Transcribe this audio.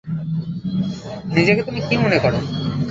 নিজেকে তুমি কী মনে করো?